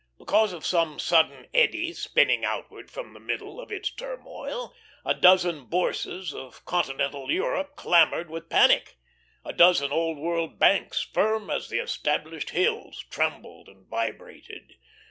Because of some sudden eddy spinning outward from the middle of its turmoil, a dozen bourses of continental Europe clamoured with panic, a dozen Old World banks, firm as the established hills, trembled and vibrated.